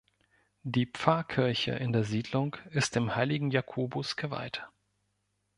Die Pfarrkirche in der Siedlung ist dem Heiligen Jakobus geweiht.